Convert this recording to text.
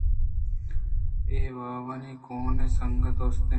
اے وَمنی کوٛہنیں سنگتءُ دوست ئے